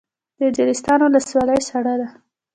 د اجرستان ولسوالۍ سړه ده